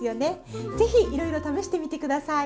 ぜひいろいろ試してみて下さい！